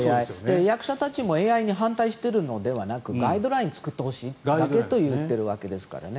役者たちもＡＩに反対しているのではなくガイドラインを作ってほしいだけと言っているわけですからね。